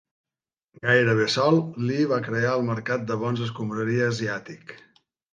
Gairebé sol, Lee va crear el mercat de bons escombraria asiàtic.